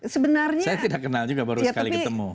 sebenarnya saya tidak kenal juga baru sekali ketemu